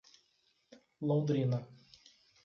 Londrina